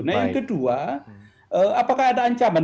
nah yang kedua apakah ada ancaman